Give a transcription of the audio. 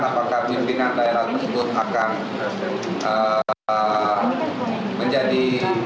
apakah pimpinan daerah tersebut akan menjadi